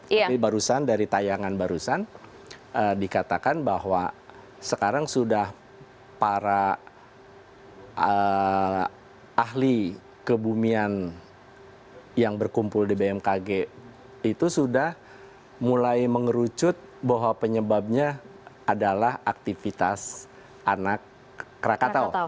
tapi barusan dari tayangan barusan dikatakan bahwa sekarang sudah para ahli kebumian yang berkumpul di bmkg itu sudah mulai mengerucut bahwa penyebabnya adalah aktivitas anak rakatau